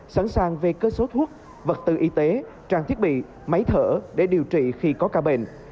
sẵn sàng về cơ số thuốc vật tư y tế trang thiết bị máy thở để điều trị khi có ca bệnh